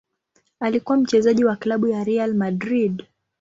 Alikuwa mchezaji wa klabu ya Real Madrid.